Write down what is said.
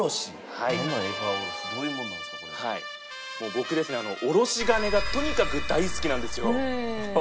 僕ですねおろし金がとにかく大好きなんですよ。